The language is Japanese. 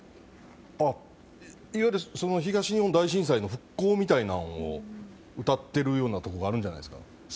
東日本大震災の復興みたいなものをうたっているところがあるんじゃないですか。